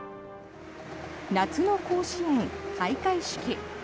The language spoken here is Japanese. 夏の甲子園開会式。